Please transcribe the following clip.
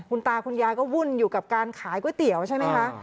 คุณตาคุณยายก็วุ่นอยู่กับการขายก๋วยเตี๋ยวใช่ไหมคะ